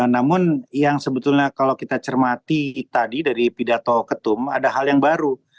namun yang sebetulnya kalau kita cermati tadi dari pidato ketum ada hal yang baru